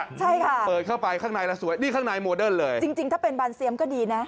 ใช่ค่ะเปิดเข้าไปข้างในแล้วสวยนี่ข้างในโมเดิร์นเลยจริงจริงถ้าเป็นบานเซียมก็ดีนะ